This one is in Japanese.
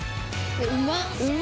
うま！